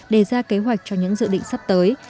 đề ra kế hoạch cho những dự định sắp tới